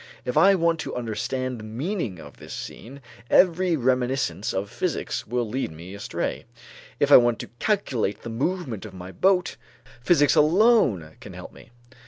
If I want to understand the meaning of this scene every reminiscence of physics will lead me astray; if I want to calculate the movement of my boat, physics alone can help me.